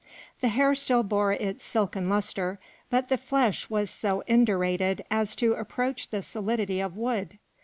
The hair still bore its silken lustre, but the flesh was so indurated as to approach the solidity of wood.